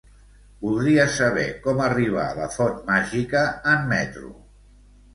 Voldria saber com arribar a la Font Màgica en metro.